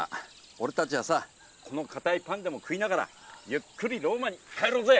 俺たちはさこのかたいパンでも食いながらゆっくりローマに帰ろうぜ。